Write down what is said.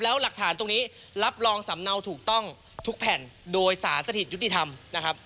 แล้วหลักฐานตรงนี้รับรองสำเนาถูกต้องทุกแผ่นโดยสารสถิตยุติธรรมนะครับ